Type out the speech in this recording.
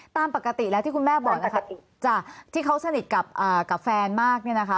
ตามปกติแล้วที่คุณแม่บอกที่เขาสนิทกับแฟนมาก